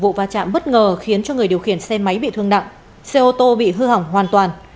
vụ va chạm bất ngờ khiến cho người điều khiển xe máy bị thương nặng xe ô tô bị hư hỏng hoàn toàn